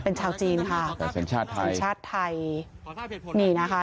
เป็นชาวจีนค่ะแต่เป็นชาติไทยชาติไทยนี่นะคะ